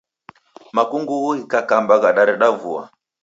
Makungughu ghikakamba ghadareda vua